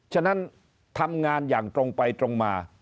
ฉะนั้นทำงานอย่างตรงไปตรงมา